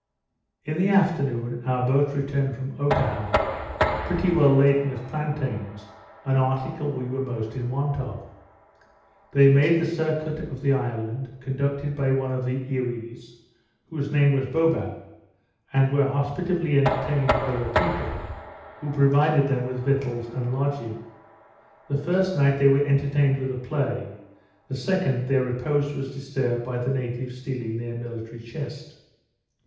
In the afternoon, our boats returned from Otaha, pretty well laden with plantains, an article we were most in want of. They made the circuit of the island, conducted by one of the Earees, whose name was Boba, and were hospitably entertained by the people, who provided them with victuals and lodging. The first night, they were entertained with a play, the second, their repose was disturbed by the natives stealing their military chest.